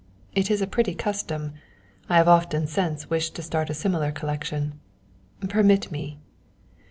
It is a pretty custom. I have often since wished to start a similar collection. Permit me."